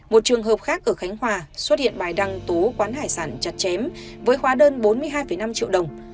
một trường hợp khác ở khánh hòa xuất hiện bài đăng tú quán hải sản chặt chém với hóa đơn bốn mươi hai năm triệu đồng